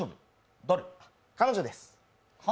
彼女です。